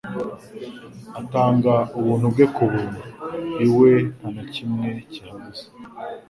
Atanga ubuntu bwe ku burutu. Iwe nta na kimwe kihabuze.